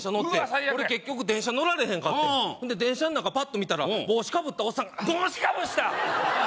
最悪や俺結局電車乗られへんかってん電車の中パッと見たら帽子かぶったおっさんが帽子かぶした！